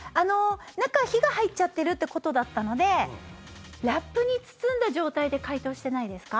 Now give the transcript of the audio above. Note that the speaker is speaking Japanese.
中、火が入っちゃってるってことだったのでラップに包んだ状態で解凍してないですか？